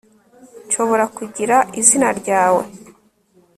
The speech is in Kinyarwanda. nshobora kugira izina ryawe